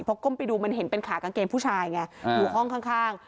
พอก้มไปดูมันเห็นเป็นขากางเกงผู้ชายไงอยู่ห้องข้าง